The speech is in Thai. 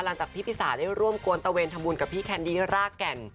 หลังจากที่พี่สาได้ร่วมกวนตะเวนทำบุญกับพี่แคนดี้รากแก่น